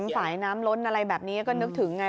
ฝ่ายน้ำล้นอะไรแบบนี้ก็นึกถึงไง